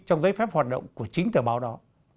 trong giấy phép hoạt động của chính tờ báo đó